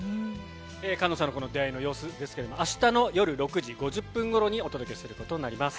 菅野さんの、この出会いの様子ですけれども、あしたの夜６時５０分ごろにお届けすることになります。